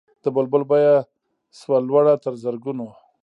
د بلبل بیه سوه لوړه تر زرګونو